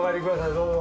どうぞ。